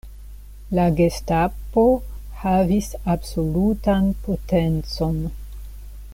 La Gestapo havis absolutan potencon.